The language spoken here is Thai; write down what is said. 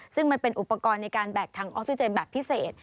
ซึ่งมันเป็นอุปกรณ์ในการแบกทางออกซิเจนแบบพิเศษ